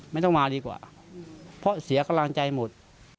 ไม่ต้องมาดีกว่าเพราะเสียกำลังใจหมด